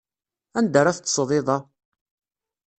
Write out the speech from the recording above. Anda ara teṭṭseḍ iḍ-a?